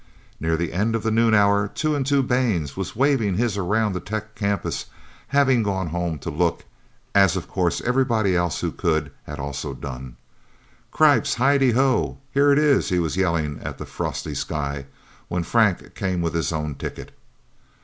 Near the end of the noon hour, Two and Two Baines was waving his around the Tech campus, having gone home to look, as of course everybody else who could, had also done. "Cripes! Hi di ho here it is!" he was yelling at the frosty sky, when Frank came with his own ticket.